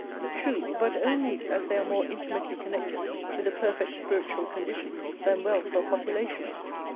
True; but only as they are more intimately connected with a perfect spiritual condition than wealth or population are.